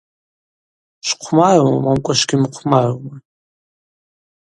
Швхъвмарума момкӏва швгьымхъвмарума?